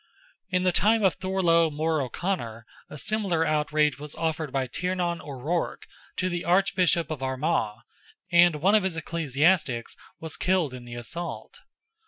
In the time of Thorlogh More O'Conor, a similar outrage was offered by Tiernan O'Ruarc to the Archbishop of Armagh, and one of his ecclesiastics was killed in the assault.